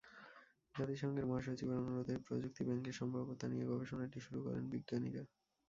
জাতিসংঘের মহাসচিবের অনুরোধেই প্রযুক্তি ব্যাংকের সম্ভাব্যতা নিয়ে গবেষণাটি শুরু করেন বিজ্ঞানীরা।